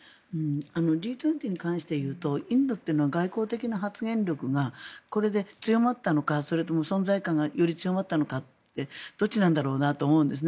Ｇ２０に関して言うとインドというのは外交的な発言力がこれで強まったのかそれとも存在感がより強まったのかどっちなんだろうなって思うんですね。